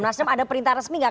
nazdem ada upperintah resmi gak